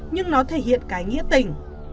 nhưng nó thể hiện cái nghĩa tình